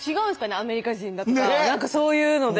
アメリカ人だとか何かそういうので。